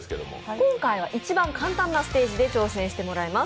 今回は一番簡単なステージで挑戦してもらいます。